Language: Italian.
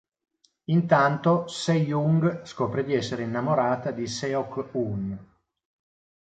Intanto, Se-young scopre di essersi innamorata di Seok-hoon.